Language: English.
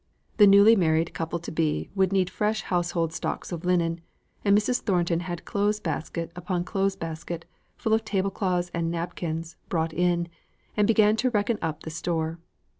The newly married couple to be would need fresh household stocks of linen: and Mrs. Thornton had clothes basket upon clothes basket, full of table cloths and napkins, brought in, and began to reckon up the store.